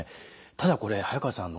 ただこれ早川さん